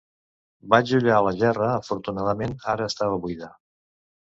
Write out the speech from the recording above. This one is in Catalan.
Vaig ullar la gerra. Afortunadament, ara estava buida.